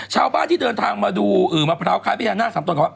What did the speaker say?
ชาวบ้านที่เดินทางมาดูมะพร้าวคล้ายพญานาคสามตนของ